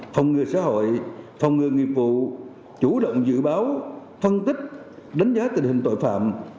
phòng ngừa xã hội phòng ngừa nghiệp vụ chủ động dự báo phân tích đánh giá tình hình tội phạm